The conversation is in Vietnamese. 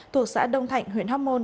thuộc xã đông thạnh huyện hóc môn